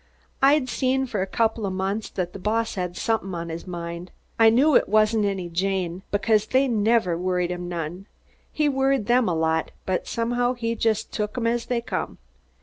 I'd seen, for a couple of months, that the boss had somethin' on his mind. I knew it wasn't any jane, because they never worried him none. He worried them a lot, but somehow he just took 'em as they come.